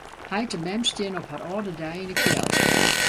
Heit en mem steane op har âlde dei yn 'e kjeld.